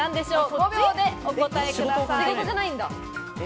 ５秒でお答えください。